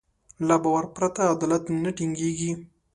له باور پرته عدالت نه ټينګېږي.